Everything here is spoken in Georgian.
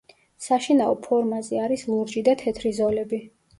საშინაო ფორმაზე არის ლურჯი და თეთრი ზოლები.